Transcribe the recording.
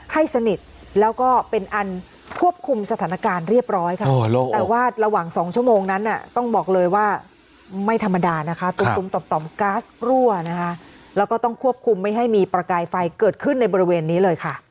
ให้สนิทแล้วก็เป็นอันควบคุมสถานการณ์เรียบร้อยค่ะแต่ว่าระหว่าง๒ชั่วโมงนั้นต้องบอกเลยว่าไม่ธรรมดานะคะตุ้มต่อมก๊าซรั่วนะคะแล้วก็ต้องควบคุมไม่ให้มีประกายไฟเกิดขึ้นในบริเวณนี้เลยค่ะ